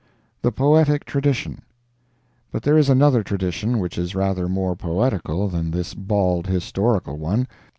THE POETIC TRADITION But there is another tradition which is rather more poetical than this bald historical one.